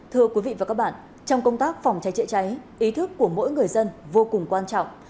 thưa quý vị và các bạn trong công tác phòng cháy chữa cháy ý thức của mỗi người dân vô cùng quan trọng